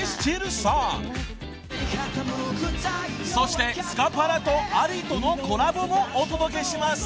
［そしてスカパラとＡＬＩとのコラボもお届けします］